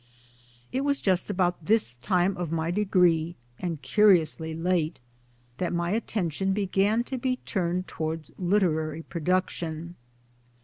It was just about this time of my degree (and curiously late) that my attention began to be turned towards literary production.